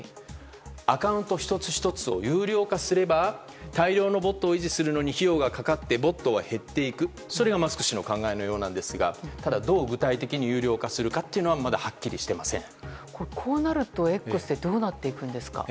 アカウント１つ１つを有料化すれば大量のボットを維持するのに費用が掛かってボットは減っていくというのがマスク氏の考えのようですがただ、どう具体的に有料化するかはこうなると、「Ｘ」はどうなっていくんですか？